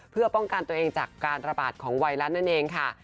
เพื่อป้องกันตัวเองจากการระบาดของไวรัสนั่นเองค่ะ